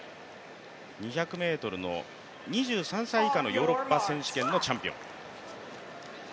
２００ｍの２３歳以下のヨーロッパ選手権のチャンピオン。